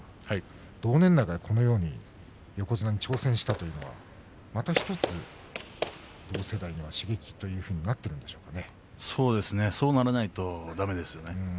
同年代がこのように横綱に挑戦したというのはまた１つ同世代には刺激というふうになってくるでしょうかね。